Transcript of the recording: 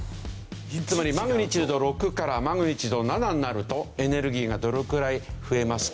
つまりマグニチュード６からマグニチュード７になるとエネルギーがどのくらい増えますか？